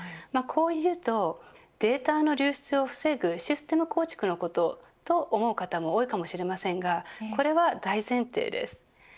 こういうとデータの流出を防ぐシステム構築のことと思う方も多いかもしれませんがこれは大前提です。